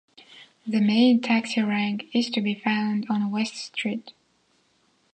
The main taxi rank is to be found on West Street.